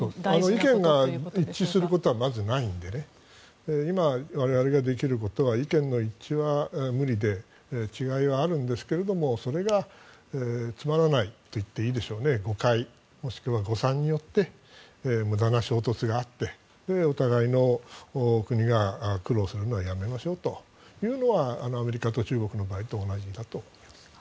意見が一致することはまずないので今、我々ができることは意見の一致は無理で違いはあるんですけれどもそれが、つまらないと言っていいでしょうね誤解もしくは誤算によって無駄な衝突があってお互いの国が苦労するのはやめましょうというのはアメリカと中国の場合と同じだと思います。